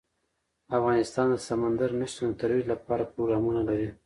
افغانستان د سمندر نه شتون د ترویج لپاره پروګرامونه لري.